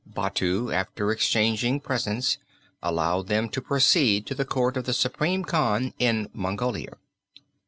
Batu after exchanging presents allowed them to proceed to the court of the supreme Khan in Mongolia.